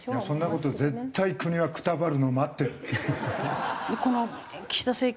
そんな事絶対国はくたばるのを待ってるって。